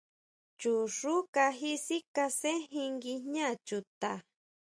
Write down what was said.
Chuxú kají sikasenjin nguijñá chuta.